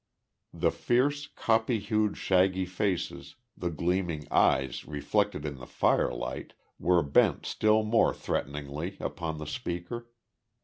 The fierce, copper hued, shaggy faces, the gleaming eyes reflected in the firelight, were bent still more threateningly upon the speaker.